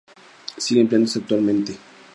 Sigue empleándose actualmente.